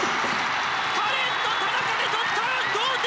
カレンと田中で取った同点！